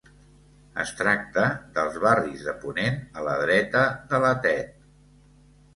Es tracta dels barris de ponent a la dreta de la Tet.